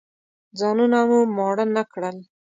ځانونه مو ماړه نه کړل.